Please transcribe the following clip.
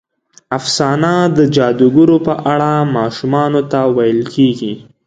افسانه د جادوګرو په اړه ماشومانو ته ویل کېږي.